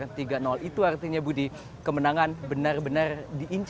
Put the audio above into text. atau komposisi pemain yang menang